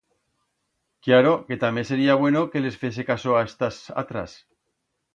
Cllaro que tamé sería bueno que les fese caso a estas atras.